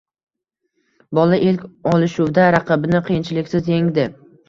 Bola ilk olishuvda raqibini qiyinchiliksiz yengdi